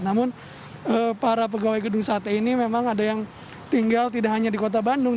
namun para pegawai gedung sate ini memang ada yang tinggal tidak hanya di kota bandung